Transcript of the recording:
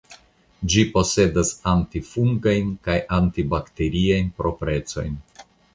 Ĝi posedas antifungajn kaj antibakteriajn proprecojn.